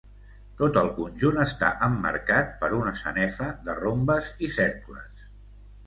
Tot el conjunt està emmarcat per una sanefa de rombes i cercles.